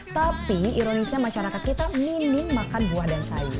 tapi ironisnya masyarakat kita minim makan buah dan sayur